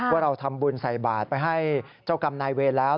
ว่าเราทำบุญใส่บาทไปให้เจ้ากรรมนายเวรแล้ว